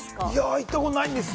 行ったことないです。